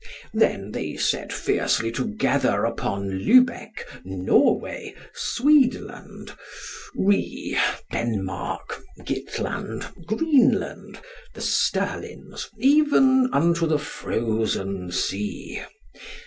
Then they set fiercely together upon Lubeck, Norway, Swedeland, Rie, Denmark, Gitland, Greenland, the Sterlins, even unto the frozen sea.